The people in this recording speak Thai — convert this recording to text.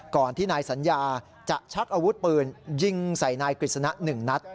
ก่อนที่นายสัญญาจะชักอาวุธปืนยิงใส่นายกฤษณะ๑นัด